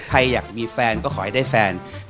ใครอยากมีแฟนก็ขอให้ได้แฟน